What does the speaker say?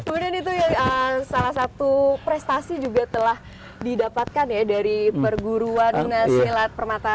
kemudian itu ya salah satu prestasi juga telah didapatkan ya dari perguruan dunia silat permata sati ini